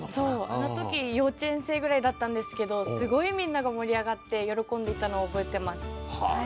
あの時幼稚園生ぐらいだったんですけどすごいみんなが盛り上がって喜んでいたのを覚えてます。